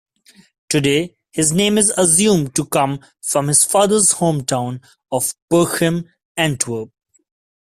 Today his name is assumed to come from his father's hometown of Berchem, Antwerp.